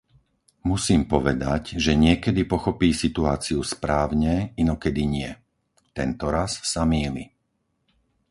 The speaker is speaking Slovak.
Musím povedať, že niekedy pochopí situáciu správne, inokedy nie. Tentoraz sa mýli.